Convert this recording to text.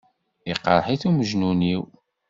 Ikṛeh-it umejnun-iw.